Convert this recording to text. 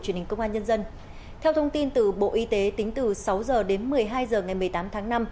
truyền hình công an nhân dân theo thông tin từ bộ y tế tính từ sáu h đến một mươi hai h ngày một mươi tám tháng năm